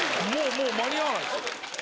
もう間に合わないっす。